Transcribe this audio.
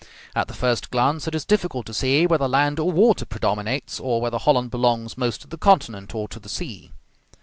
At the first glance it is difficult to see whether land or water predominates, or whether Holland belongs most to the continent or to the sea.